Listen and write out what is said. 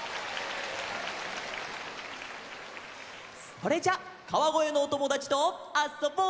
それじゃあ川越のおともだちとあっそぼう！